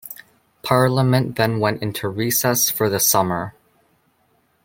Parliament then went into recess for the summer.